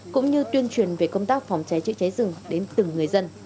cũng như tuyên truyền về công tác phòng cháy chữa cháy rừng đến từng người dân